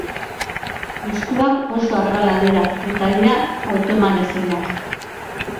Eskuak oso argalak dira eta ia hautemanezinak.